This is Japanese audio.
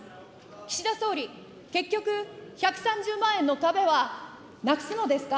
岸田総理、結局、１３０万円の壁はなくすのですか。